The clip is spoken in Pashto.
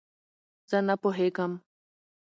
زه نه پوهېږم